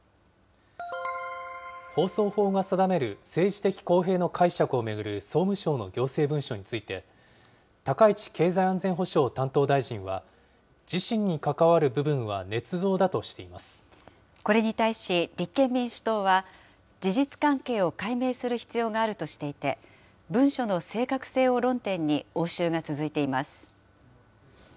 放送法が定める政治的公平の解釈を巡る総務省の行政文書について、高市経済安全保障担当大臣は自身に関わる部分はねつ造だとしていこれに対し、立憲民主党は事実関係を解明する必要があるとしていて、文書の正確性を論点に応酬が続いています。